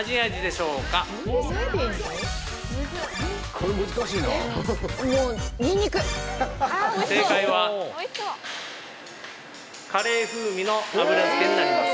これ難しいなもうにんにく正解はカレー風味の油づけになります